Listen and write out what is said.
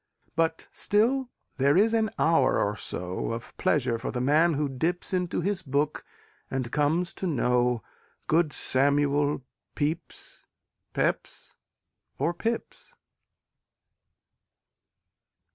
But still, there is an hour or so Of pleasure for the man who dips Into his book and comes to know Good Samuel Pepys, Peps or Pips.